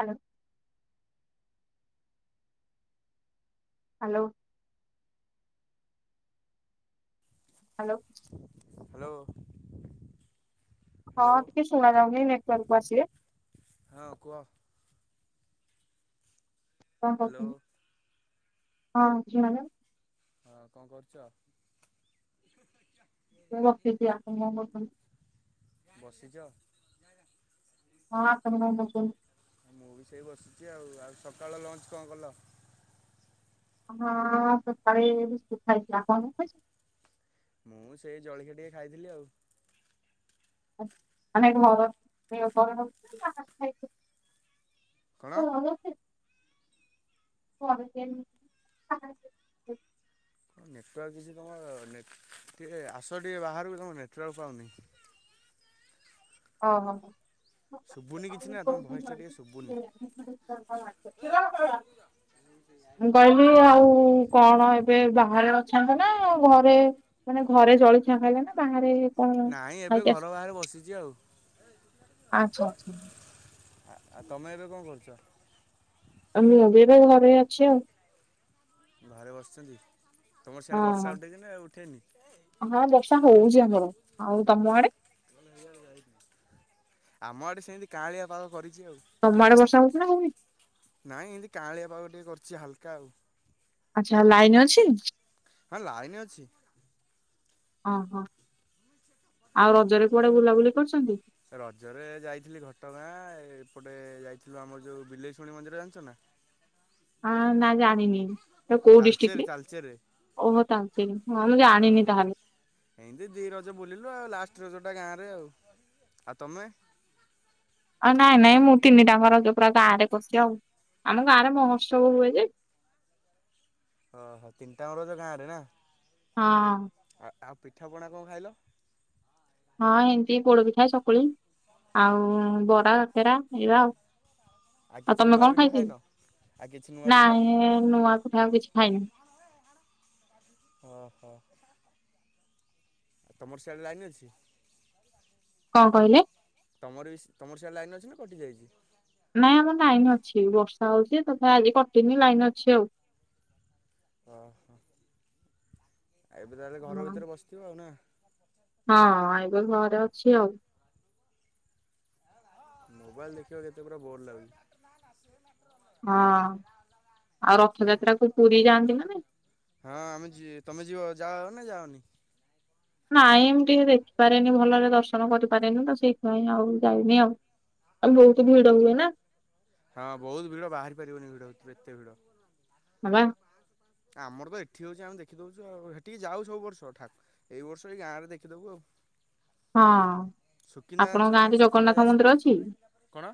Hello hello hello hello ହଁ ଟିକେ ଶୁଣା ଯାଉନି ନେଟୱାର୍କକୁ ଆସିବେ? ହଁ କୁହ? କଣ ହ୍ୟାଲୋ। କହୁଛନ୍ତି? ହଁ ମ୍ୟାଡ଼ାମ। ହଁ କଣ କରୁଛ? ମୁଁ ବସିଛି, ଆପଣ କଣ କରୁଚନ୍ତି? ବସିଛ? ହଁ ଆପଣ କଣ କରୁଛନ୍ତି? ମୁଁ ବି ସେଇ ବସିଛି ଆଉ, ଆଉ ସକାଳ ଲଞ୍ଚ କଣ କଲ? ହଁ ସକାଳୁ ବିସ୍କୁଟ ଖାଇଛି, ଆଉ କଣ ଖାଇଛି? ମୁଁ ବି ସେଇ ଜଳଖିଆ ଟିକେ ଖାଇଥିଲି ଆଉ [unintelligible] କଣ? [unintelligible] ହଁ ନେଟୱାର୍କ କିଛି ତମ ଟିକେ ଆସ ଟିକେ ବାହାରୁ ବି ତୁମ ନେଟୱାର୍କ ପାଉନି। ଓଁ ହଁ ହଁ ଶୁଭୁନି କିଛି ନା ତମ ଭଏସଟା ଟିକେ ଶୁଭୁନି। [unintelligible] [unintelligible] ମୁଁ କହିଲି ଆଉ କଣ ଏବେ ବାହାରେ ଅଛନ୍ତି ନା, ଘରେ ମାନେ ଘରେ ଜଳଖିଆ ଖାଇଲେ ନା ବାହାରେ କଣ ନାଇଁ ଏବେ ଖାଇକି ଆସି ଘର ବାହାରେ ବସିଛି ଆଉ ଆଛା ଆଛା। ଆଉ ତମେ ଏବେ କଣ କରୁଛ? ଆମେ ଏବେ ଏବେ ଘରେ ଅଛି ଆଉ ଘରେ ବସିଛନ୍ତି, ତୁମର ସିଆଡ଼େ ବର୍ଷା ଉଠେଇକ ନା ଆଉ ଉଠାଇନି? ହଁ ବର୍ଷା ହଉଛି ଆମର, ଆଉ ତମ ଆଡେ? ଆମ ଆଡେ ସେମିତି କାଁଳିଆ ପାଗ କରିଛି ଆଉ ତମଆଡେ ବର୍ଷା ହଉଛି ନା ହଉନି? ନାଇଁ ଏମିତି କାଁଳିଆ ପାଗ ଟିକେ କରିଛି ହାଲକା ଆଉ ଆଛା, ଲାଇନ ଅଛି? ହଁ ଲାଇନ ଅଛି। ଓହୋ ଆଉ ରଜରେ କୁଆଡେ ବୁଲାବୁଲି କରିଛନ୍ତି? ରଜରେ ଯାଇଥିଲି ଘଟଗାଁ, ଏପଟେ ଯାଇଥିଲୁ ଆମର ଯେଉଁ ବିଲେଇଶୁଣିୀ ମନ୍ଦିର ଜାଣିଚୁ ନା? ହଁ ନା ଜାଣିନି। କୋଉ ତାଲଚେର ଡିଷ୍ଟ୍ରିକ୍ଟ ରେ, ତାଲଚେରରେ ଓହୋ ତା ହଁ ମୁଁ ହଁ ଜାଣିନି ତାହେଲେ। ଏମିତି ଦୁଇ ରଜ ବୁଲିଲୁ ଆଉ ଲାଷ୍ଟ ରଜଟା ଗାଁରେ ଆଉ, ଆଉ ତମେ? ଆଉ ନାଇଁ ନାଇଁ ମୁଁ ତିନିଟାଙ୍କ ରଜ ପୁରା ଗାଁ ରେ କରିଚି ଆଉ ଆମ ଗାଁ ରେ ମହୋତ୍ସବ ହୁଏ ଯେ। ଓହୋ ତିନିଟାଙ୍କ ରଜ ଗାଁରେ ନା। ହଁ। ଆ ଆଉ ପିଠାପଣା କଣ ଖାଇଲ? ହଁ ଏମିତି ପୋଡପିଠା ସକୁଳି [unintelligible] ଆଉ ବରା କାକେରା ହେଇବା ଆଉ। ଆଉ କିଛି ତମେ ନୂଆ କଣ ପିଠା ଖାଇଥ ଖାଇନ ଆଉ କିଛି ନୂଆ ପିଠା ନାଇଁ ନୂଆ କଠାଇ କିଛି ଖାଇଁ ହଁ ହୋ। ଆଉ ତମର ସିଆଡେ ଲାଇନ୍ ଅଛି? କଣ କହିଲେ? ତମର ବି ତମର ସ ଲାଇନ୍ ଅଛି ନା କଟିଯାଇଚି? ନାଇଁ ଆମର ଲାଇନ୍ ଅଛି, ବର୍ଷା ହୋଇଚି ତଥା ଆଜି କଟିନି ଲାଇନ୍ ଅଛି ଆଉ। ଓହୋ ଏ ଏବେ ତାହେଲେ ଘର ହଁ ଭିତରେ ବସିଥିବ ଆଉ ନା। ହଁ ଏବେ ଘରେ ଅଛି ଆଉ। ମୋବାଇଲ ଦେଖିବାକୁ କେତେ ପୁରା ବୋର୍ ଲାଗୁଚି। ହଁ ଆଉ ସେଇ ରଥଯାତ୍ରା କୁ ପୁରୀ ଯାଆନ୍ତି ନା ନାଇଁ? ହଁ ଆମେ ଯି ତମେ ଯିବ ଯା ଅ ନା ଯାଅନି? ନାଇଁ ଏମିତି ଦେଖିପାରେନି ଭଲରେ ଦର୍ଶନ କରିପାରେନି ତ ସେଇଥିାଇଁ ଆଉ ଯାଇନି ଆଉ। ଆଉ ବୋହୁତ ଭିଡ ହୁଏ ନା। ହଁ ବୋହୁତ ଭିଡ ବାହାରି ପାରିବନି ଭିଡ ଏତେ ଭିଡ। ହଁ। ଆମର ତ ଏଠି ହୋଉଚୁ ଆେ ଦେଖିଦେଉୁ ଆଉ ସେଠି ଯାଉ ସବୁ ବର୍ଷ ଠା ଏଇ ବର୍ଷ ଏଇ ଗାଁ ରେ ଦେଖିଦବୁ ଆଉ। ହଁ ସୁକିନ୍ଦା ଜାଣିଛ ଆପଣଙ୍କ ନାଇଁ ଗାଁରେ ସୁକିନ୍ଦା ଜଗନ୍ନାଥ ଯାଜପୁର ମନ୍ଦିର ଅଛି? କଣ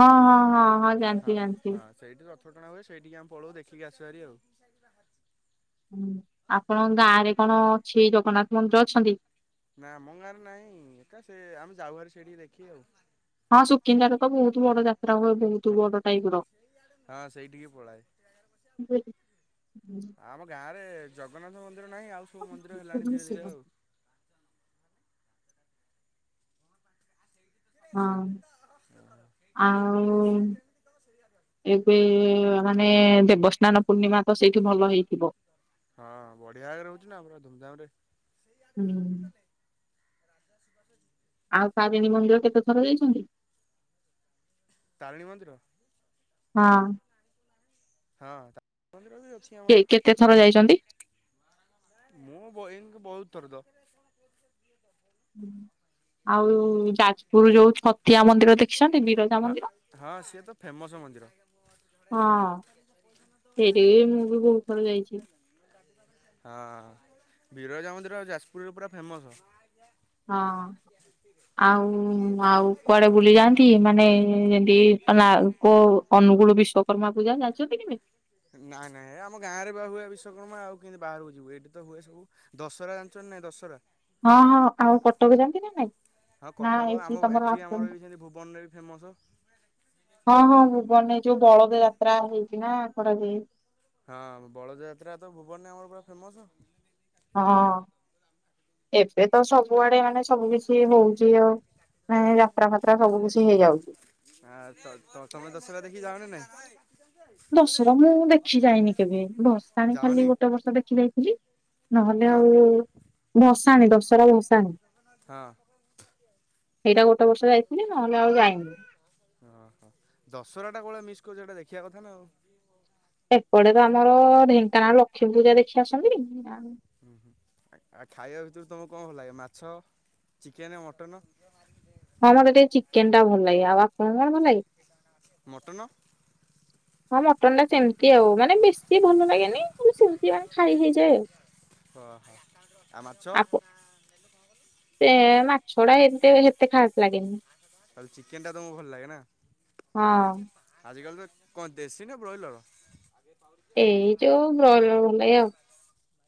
ହଁ ହଁ ହଁ ହଁ। ହଁ ଜାଣିଛି ଜାଣିଛି। ହଁ ସେଇଠି ରଥ ଟଣା ହୁଏ ସେଇଠିକି ଆମେ ପଳଉ ଦେଖିକି ଅସୁ ଭାରି ଆଉ। ହୁଁ ଆପଣଙ୍କ ଗାଁ ରେ କଣ ଅଛି ଜଗନ୍ନାଥ ମନ୍ଦିର ଅଛନ୍ତି? ନା ଆମ ଗାଁରେ ନାହିଁ ଏକା ସେ ଆମେ ଯାଉ ହେରି ସେଠିକି ଦେଖି ଆଉ। ହଁ ସୁକିନ୍ଦାର ତ ବୋହୁତ ବଡ ଯାତ୍ରା ହୁଏ ବୋହୁତ ବଡ ଟାଇପ ର। ହଁ ସେଇଠିକି ପଳାଏ। [unintelligible] ଆମ ଗାଁରେ ଜଗନ୍ନାଥ ମନ୍ଦିର ନାହିଁ ଆଉ ସବୁ ମନ୍ଦିର ହେଲାଣି ଧୀରେ ଧୀରେ ଆଉ। ସେମତି ତ ଆଉ ସେ ଯେମିତି ତ ସେଇଆ ଏବେ ମାନେ ଦେବସ୍ନାନ ପୂର୍ଣ୍ଣିମା ତ ସେଇଠି ଭଲ ହେଇଥିବ? ହଁ ବଢିଆ ଆଗରେ ର ହୋଉଚି ନା ଆମର ଧୁମଧାମ ରେ। ହୁଁ। ଆଉ ତାରିଣୀ ମନ୍ଦିର କେତେ ଥର ଯାଇଛନ୍ତି? ତାରିଣୀ ମନ୍ଦିର? ହଁ। ହଁ ତା ମନ୍ଦିର ବି ଅଛି ଆମର। କେତେ ଥର ଯାଇଛନ୍ତି? ମୁଁ [unintelligible] ବୋହୁତ ଥର। ଆଉ ଯା ପରୁ ଯୋଉ ଛତିଆ ମନ୍ଦିର ଦେଖିଛନ୍ତି ବିରଜା ହଁ ମନ୍ଦିର। ହଁ ସିଏ ତ ଫେମସ୍ ମନ୍ଦିର ହଁ। ହଁ ସେଇଠିକି ବି ମୁଁ ବି ବହୁତ ଥର ଯାଇଛି। [unintelligible] ହଁ ବିରଜା ମନ୍ଦିର ଯାଜପୁରରେ ପୁରା ଫେମସ। ହଁ। ଆଉ ଆଉ କୁଆଡେ ବୁଲି ଯାଆନ୍ତି। ମାନେ ଯେମତି [unintelligible] ଅନୁଗୁଳ ବିଶ୍ଵକର୍ମା ପୂଜା ଜାଣିଛନ୍ତି କି। ନାଇଁ ନାଇଁ ଆମ ଗାଁରେ ବା ହୁଏ ବିଶ୍ୱକର୍ମା। ଆଉ କେମିତି ବାହାରକୁ ଯିବୁ ଏଇଠି ତ ହୁଏ ସବୁ। ଦଶହରା ଜାଣିଛ ନା ନାଇଁ ଦଶହରା। ହଁ ହଁ ଆଉ କଟକ ଯାନ୍ତି ନା ନାଇଁ। ତ ଆମ ଏଠି ଆମର ଏ ସେମତି ଭୁବନରେ ବି ଫେମସ। ହଁ ହଁ ଭୁବନ ଯୋଉ ବଳଦ ଯାତ୍ରା ହେଇଛି ନା କରା ଯାଏ। ହଁ ବଳଯାତ୍ରା ତ ଭୁବନ ଆମର ପୁରା ଫେମସ। ହଁ ଏବେ ତ ସବୁଆଡେ ମାନେ ସବୁ କିଛି କିଛି ହଉଛି ଆ ମାନେ ଯାତ୍ରା ଫାତ୍ରା ସବୁ କିଛି ହେଇଯାଉଛି। ହଁ ତମେ ଦଶରା ଦେଖି ଯାଅ ନା ନାଇଁ। ଦଶରା ମୁଁ ଦେଖି ଯାଇନି କେବେ। ଭସାଣି ଖାଲି ଯାଅନି ଗୋଟେ ବର୍ଷ ଦେଖି ଯାଇଥିଲି। ନହେଲେ କଣ ଆଉ ଭସାଣି ଦଶରା ଭସାଣି। ହଁ ସେଇଟା ଗୋଟେ ବର୍ଷ ଯାଇଥିଲି। ନହେଲେ ଆଉ ଯାଇନି। ହଁ ହଁ ଦଶହରାଟା କଉ ଭଳିଆ ମିସ୍ କରୁଛ ସେଇଟା ଦେଖିବା କଥା ନା ଆଉ। ଏପଟେ ତ ଆମର ଢେଙ୍କାନାଳ ଲକ୍ଷ୍ମୀ ପୂଜା ଦେଖି ଆସନ୍ତି। ହୁଁ ହୁଁ ଆଉ ଖାଇବା ଭିତରୁ ତୁମକୁ କଣ ଭଲ ଲାଗେ? ମାଛ ଚିକେନ୍ ମଟନ। [unintelligible] ହଁ ମୋତେ ଟିକେ ଚିକେନ ଟା ଭଲ ଲାଗେ। ଆଉ ଆପଣଙ୍କ କଣ ଭଲ ଲାଗେ? ମଟନ। ହଁ ମଟନ୍ ଟା ସେମିତି ଆଉ ମାନେ ବେଶୀ ଭଲ ଲାଗେନି। ଖଲେ ସେମିତି ମାନେ ଖାଇ ହେଇଯାଏ ଆଉ। ଓହୋ ଆଉ ମାଛ। ସେ ମାଛଡା ଏ ସେତେ ଖାସ ଲାଗେନି। ଚିକେନ ଟା ତମକୁ ଭଲ ଲାଗେ ନା। ହଁ ଆଜି କଲି ତ କଣ ଦେଶୀ ନା ବ୍ରୟଲର। ଏଇ ଯୋଉ ବ୍ରଏଲର ଭଲ ଲାଗେ ଆଉ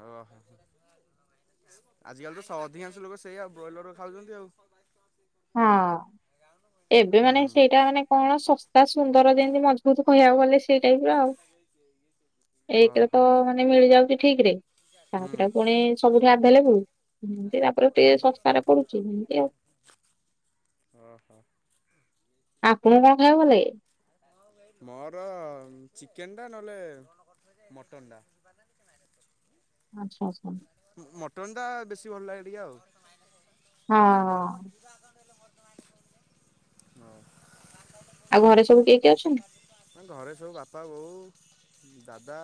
ଓହୋ। ଆଜିକାଲି ତ ଅଧିକାଂଶ ଲୋକ ସେଇଆଉ ବ୍ରଏଲର ଖାଉଛନ୍ତି ଆଉ। ହଁ ଏବେ ମାନେ ହୁଁ ସେଇଟା ମାନେ କଣ ଶସ୍ତା ସୁନ୍ଦର ଯେମତି ମଜବୁତ କହିଆକୁ ଗଲେ ସେଇ ଟାଇପ୍ ର ଆଉ। ଓହୋ ଏକେରେ ତ ମାନେ ମିଳିଯାଉଛି ଠିକ୍ ରେ। ହୁଁ ତାପରେ ପୁଣି ସବୁଠୁ ଆଭେଲେବୁଲ। ଏତି ତାପରେ ଟିକେ ଶସ୍ତାରେ ପଡୁଛି ଏମତି ଆଉ। ଓ ହୋ। ଆପଣକୁ କଣ ଖାଇବାକୁ ଭଲ ଲାଗେ? ମୋର ଚିକେନ ଟା ନହେଲେ ମଟନ ଟା। ଆଚ୍ଛା ଆଚ୍ଛା। ମଟନ ଟା ବେଶୀ ଭଲ ଲାଗେ ଟିକେ ଆଉ। ହଁ। ହୋଉ। ଆଉ ଘରେ ସବୁ କିଏ କିଏ ଅଛନ୍ତି? ଆ ଘରେ ସବୁ ବାପା ବୋଉ ଦାଦା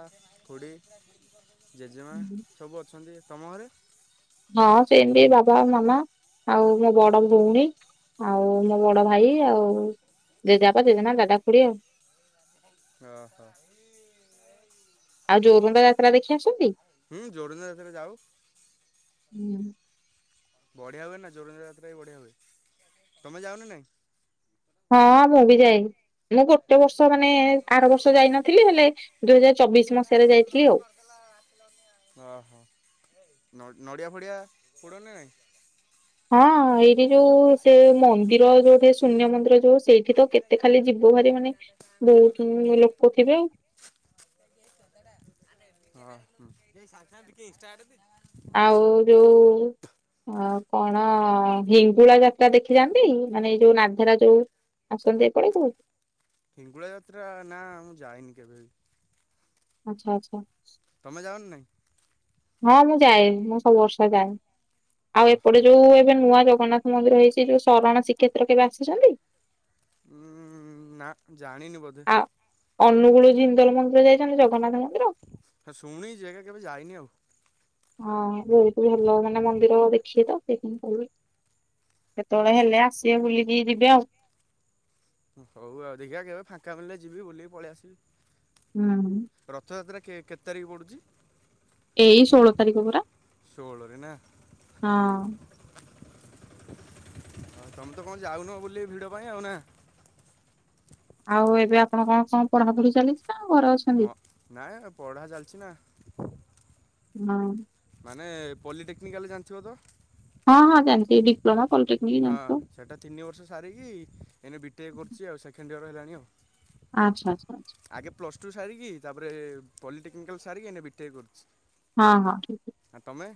ଖୁଡି। ଜେଜେମା ସବୁ ଅଛନ୍ତି। ତମ ଘରେ। ହଁ ସେମିତି ବାବା ମାମା ଆଉ ମୋ ବଡ ଭଉଣୀ। ଆଉ ମୋ ବଡ ଭାଇ ଆଉ ଜେଜେପା ଜେଜେମା ଦାଦା ଖୁଡି ଆଉ। ଓ ହୋ। ଆଉ ଜୋରୁନ୍ଦା ଯାତ୍ରା ଦେଖି ଆସନ୍ତି। ହୁଁ ଯୋରନ୍ଦା ଯାତ୍ରା ଯାଉ। ହୁଁ। ବଢ଼ିଆ ହୁଏ ନା ଜୋରନ୍ଦା ଯାତ୍ରା ବି ବଢ଼ିଆ ହୁଏ ତମେ ଯାଅନା ନାହିଁ? ହଁ ମୁଁ ବି ଯାଏ। ମୁଁ ଗୋଟେ ବର୍ଷ ମାନେ ଆର ବର୍ଷ ଯାଇନଥିଲି ହେଲେ ଦୁଇ ହଜାର ଚବିଶ ମସିହାରେ ଯାଇଥିଲି ଆଉ। ଅହ ନଡ଼ିଆ ଫଡ଼ିଆ ପୋଡ଼ନା ନାଇଁ। ହଁ ଏଇ ଏ ଯୋଉ ସେ ମନ୍ଦିର ଯୋଉଠେ ଶୂନ୍ୟ ମନ୍ଦିର ଯଉ ସେଇଠି ତ କେତେ ଖାଲି ଯିବୁ ଭାରି ମାନେ ବହୁତ ଲୋକ ଥିବେ ଆଉ। [inaudible] ଆଉ ଯୋଉ ଆ କଣ ହିଙ୍ଗୁଳା ଯାତ୍ରା ଦେଖି ଯାନ୍ତି ମାନେ ଏଇ ଯୋଉ ନାଧେରା ଯୋଉ ଆସନ୍ତ ଏପାଳିକୁ ହିଙ୍ଗୁଳା ଯାତ୍ରା ନା ମୁଁ ଯାଇନି କେବେ ବି ଆଚ୍ଛା ଆଚ୍ଛା। ତମେ ଯାଅନା ନାହିଁ? ହଁ ମୁଁ ଯାଏ ମୁଁ ସବୁ ବର୍ଷ ଯାଏ ଆଉ ଓହୋ ଏପଟେ ଯୋଉ ଏବେ ନୂଆ ଜଗନ୍ନାଥ ମନ୍ଦିର ହେଇଚି ଯୋଉ ଶରଣ ଶ୍ରୀକ୍ଷେତ୍ର କେବେ ଆସିଛନ୍ତି। ଉଁ ନା ଜାଣିନିି ବଧେ। ଅନୁଗୁଳ ଜିନ୍ଦଲ ମନ୍ଦିର ଯାଇଛନ୍ତି ଜଗନ୍ନାଥ ମନ୍ଦିର ହଁ ଶୁଣିଚି ହେଲେ କେବେ ଯାଇନି ଆଉ ହଁ ବହୁତ ଭଲ ମାନେ ମନ୍ଦିର ଦେଖିବେ ତ ସେଇଥି ପାଇଁ କହୁଥିଲି। କେତେବେଳେ ହେଲେ ଆସିବେ ବୁଲିକି ଯିବେ ଆଉ ହଉ ଆଉ ଦେଖିବା କେବେ ଫାଙ୍କା ମିଳିଲେ ଯିବି ବୁଲିକି ପଳେଇ ଆସିବି। ହୁଁ। ରଥଯାତ୍ରା କେ କେତେ ତାରିଖ ପଡ଼ୁଚି। ଏଇ ଷୋହଳ ତାରିଖ ପରା ଷୋହଳରେ ନା ହଁ ହଁ ତମେ ତ କଣ ଯାଉନ ବୁଲି ଭିଡ଼ ପାଇଁ ଆଉ ନା? ଆଉ ଏବେ ଆପଣ କଣ କଣ ପଢାପଢି ଚାଲିଛି ନାଉ ଘରେ ଅ ମ ନାଇଁ ପଢା ଚାଲିଛି ନା ହଁ। ମାନେ ପଲିଟେକ୍ନିକାଲ ଜାଣିଥିବ ତ ହଁ ହଁ ଜାଣିଚି ଡିପ୍ଲୋମା ପଲିଟେକ ହଁ ସେଟା ତିନି ବର୍ଷ ସାରିକି ଏଇନେ ବିଟେଏ କରୁଚି ଆଉ ସେକେଣ୍ଡ ଇୟର ହେଲାଣି ଆଉ। ଆଚ୍ଛା ଆଛା ଆଛା। ଆଗେ ପ୍ଲସଟୁ ସାରିକି ତାପରେ ପଲିଟେକ୍ନିକାଲ୍ ସାରିକି ଏଇନେ ବିଟେକ କରୁଛି। ହଁ ହଁ। ଆ ତମେ?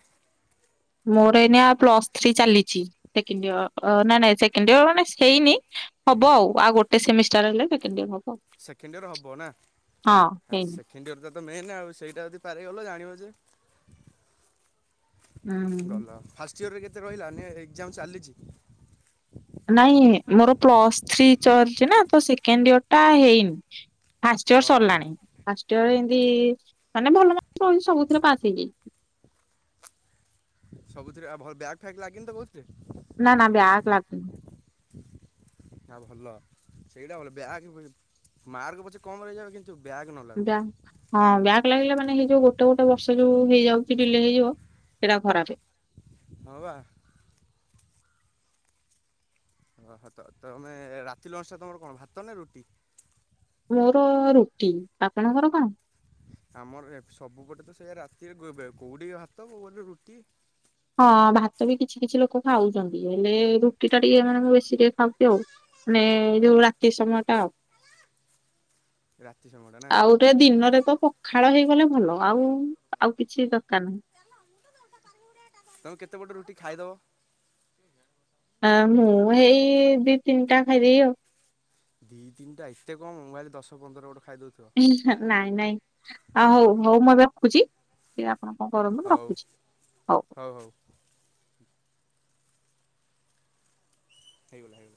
ମୋର ଏଇନିକା ପ୍ଲସ ଥ୍ରୀ ଚାଲିଛି ସେକେଣ୍ଡଇଅର ନାଇଁ ନାଇଁ ସେକେଣ୍ଡଇର ମାନେ ହେଇନି ହବ ଆଉ ଆଉ ଗୋଟେ ସେମିଷ୍ଟାର ହେଲେ ସେକେଣ୍ଡିଅର ହବ। ସେକେଣ୍ଡୟର ହବ ନା? ହଁ ସେ ହେଇନି। ସେକେଣ୍ଡ ଇଅରଟା ତ ମେନ୍ ଆଉ ସେଇଟା ଯଦି ପାର ହେଇଗଲ ଜାଣିବ ଯେ ହୁଁ ଗଲ ଫାଷ୍ଟ ଇୟରରେ କେତେ ରହିଲା ଏକ୍ଜାମ ଚାଲିଛି ନାଇଁ ମୋର ପ୍ଲସଥ୍ରୀ ଚଲଚି ନା ତ ସେକେଣ୍ଡ ଇୟର ଟା ହେଇନି ଫାଷ୍ଟ ଇୟର ଅ ସରିଲାଣି ଫାଷ୍ଟ ଇୟର ଏନ୍ତି ମାନେ ଭଲ ମାର୍କ ରହିଚି ସବୁଥିରେ ପାସ୍ ହେଇଯାଇଚି। ସବୁଥିରେ ଆ ଭଲ ବ୍ୟାଗ୍ ଫ୍ୟାଗ୍ ଲାଗିନି ତ କଉଥିରେ? ନା ନା ବ୍ୟାକ ଲାଗୁନି। ହ ଭଲ ସେଇଟା ଭଲ ବ୍ୟାଗ କି ମାର୍କ ପଛେ କମ ରହିଯାଉ କିନ୍ତୁ ଯଉ ବ୍ୟାଗ ନ ଲାଗୁ ବା [inaudible] ହଁ ବ୍ୟାଗ ଲାଗିଲା ମାନେ ହେଇ ଯୋଉ ଗୋଟେ ଗୋଟେ ବର୍ଷ ଯୋଉ ହେଇଯାଉଛି ଡିଲେ ହେଇଯିବ ସେଇଟା ଖରାପେ ହଁ ବା ଓହୋ ତ ତମେ ରାତି ଲଞ୍ଚ ଅନୁସାରେ ତମର କଣ ଭାତ ନା ରୁଟି ମୋର ରୁଟି ଆପଣଙ୍କର କଣ ଆମର ସବୁ ଗଟେ ତ ସେଇଆା ରାତିରେ କଉଡ଼ି ଭାତ କୋଉରେ ରୁଟି ହଁ ଭାତ ବି କିଛି କିଛି ଲୋକ ଖାଉଛନ୍ତି ହେଲେ ରୁଟି ଟା ଟିକେ ମାନ ବେଶୀ ଟିକେ ଖାଉଛି ଆଉ ମାନେ ଅ ଯୋଉ ରାତି ସମୟ ଟା ଆଉ ରାତି ସମୟଟା ନା ଆଉ ଦିନରେ ତ ପଖାଳ ହେଇଗଲେ ଭଲ ଆଉ ଆଉ କିଛି ଦରକାର ନାହିଁ ତମେ କେତେ ପଟେ ରୁଟି ଖାଇଦବ ହ ମୁଁ ହେଇ ଦି ତିନିଟା ଖାଇଦେଇବି ଆଉ ଦୁଇ ତିନିଟା ଏତେ କମ ମାଲି ଦଶ ପନ୍ଦର ଗୋଟେ ଖାଇଦେଉଥିବ ନାଇଁ ନାଇଁ ଆ ହଉ ହଉ ମୁଁ ମୁଁ ଟିକେ ଆପଣ କଣ କରନ୍ତୁ ମୁଁ ହଉ ରଖୁଛି। ହଉ ହଉ ହେଇଗଲା ହେଇଗଲା।